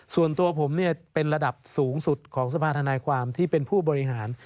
ส่วนตัวผมเป็นระดับสูงสุดของสภาธนายความที่เป็นผู้บริหาร